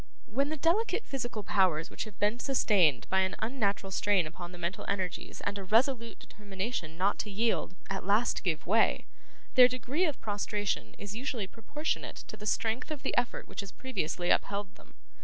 When the delicate physical powers which have been sustained by an unnatural strain upon the mental energies and a resolute determination not to yield, at last give way, their degree of prostration is usually proportionate to the strength of the effort which has previously upheld them.